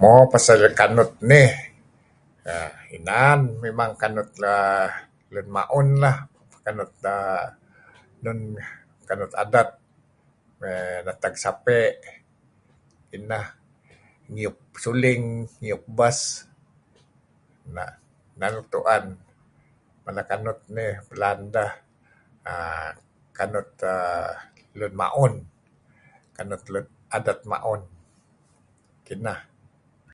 Mo... pasal ieh kanut nih inan. Mimang inan kanut ma'un lah. Kanut err... enun... kanut adat, mey neteg sapey' kineh, ngiup suling, ngiup bes. Neh nuk tu'en. Mala kanut nih, belaan deh aaa... kanut aaa... kanut ma'un, Kanut adet ma'un. Kineh.